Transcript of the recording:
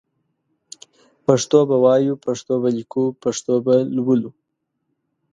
پښتو به وايو پښتو به ليکو پښتو به لولو